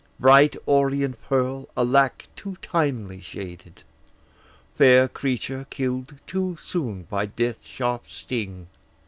Bright orient pearl, alack, too timely shaded! Fair creature, kill'd too soon by death's sharp sting!